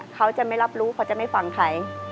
เขาจะไม่รับรู้เขาจะไม่ฟังใคร